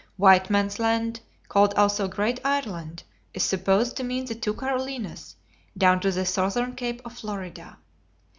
White Man's Land, called also Great Ireland, is supposed to mean the two Carolinas, down to the Southern Cape of Florida.